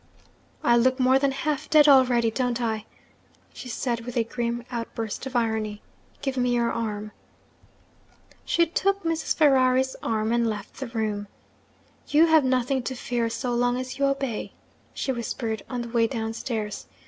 'I look more than half dead already, don't I?' she said with a grim outburst of irony. 'Give me your arm.' She took Mrs. Ferrari's arm, and left the room. 'You have nothing to fear, so long as you obey,' she whispered, on the way downstairs.